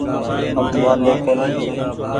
هم وآڌي ڪونيٚ ۔